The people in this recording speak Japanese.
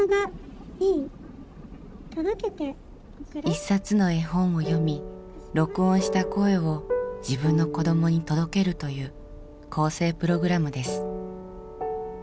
一冊の絵本を読み録音した声を自分の子どもに届けるという更生プログラムです。